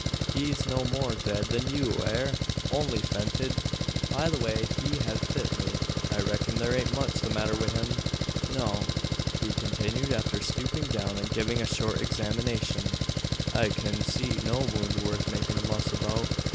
He's no more dead than you air only fented. By the way he hev fit me, I reck'n there ain't much the matter wi' him. No," he continued, after stooping down and giving a short examination, "I kin see no wound worth makin' a muss about.